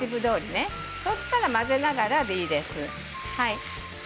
そうしましたら混ぜながらでいいです。